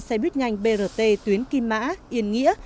ba mươi năm xe buýt nhanh brt tuyến kim mã yên nghĩa